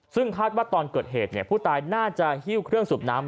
ซึ่งคาดว่าตอนเกิดเหตุผู้ตายน่าจะหิ้วเครื่องสูบน้ำ